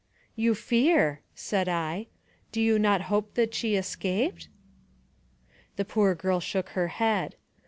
" You fear !" said I. " Do you not hope that she escaped?" The poor girl shook her head.